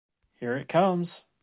Here it comes!